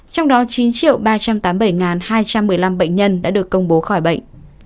trong đó chín ba trăm tám mươi bảy hai trăm một mươi năm bệnh nhân đã được công bố khỏi bệnh